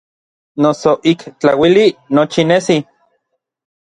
Noso ik tlauili nochi nesi.